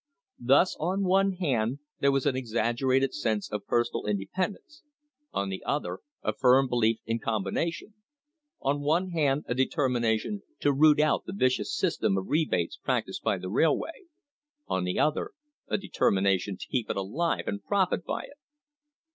Thus, on one hand there was an exaggerated sense of per sonal independence, on the other a firm belief in combination; on one hand a determination to root out the vicious system of rebates practised by the railway, on the other a determination to keep it alive and profit by it.